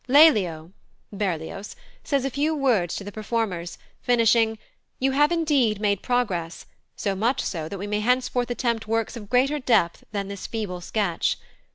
Lelio (Berlioz) says a few words to the performers, finishing, "You have indeed made progress, so much so that we may henceforth attempt works of greater depth than this feeble sketch."